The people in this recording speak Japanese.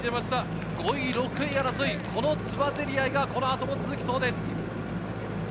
５位６位争い、このつばぜり合いがこの後も続きそうです。